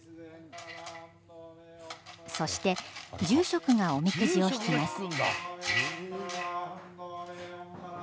そして、住職がおみくじを引きます。